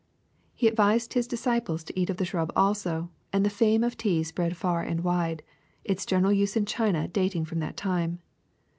He advised his disciples to eat of TEA 191 the shrub also, and the fame of tea spread far and wide, its general use in China dating from that time.